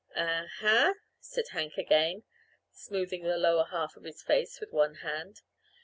"Uh huh," said Hank again, smoothing the lower half of his face with one hand.